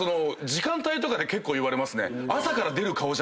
時間帯とかで結構言われますね。